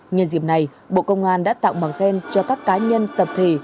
nhân dịp này bộ công an đã tặng bằng khen cho các cá nhân tập thể